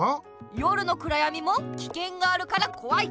夜のくらやみもきけんがあるからこわい！